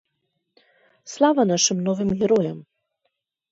Слава нашым новым героям!